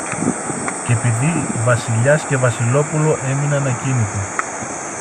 Κι επειδή Βασιλιάς και Βασιλόπουλο έμεναν ακίνητοι